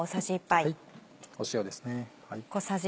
塩ですね。